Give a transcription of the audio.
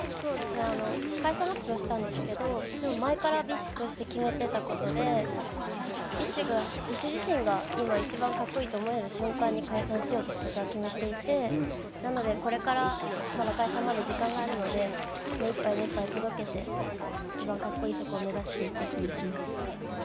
解散発表したんですけどでも、前からＢｉＳＨとして決めてたことでＢｉＳＨ自身が今、一番かっこいいと思える瞬間に解散しようってことは決めていてなので、これからまだ解散まで時間があるので目いっぱい届けて一番かっこいいところを目指していこうと思ってます。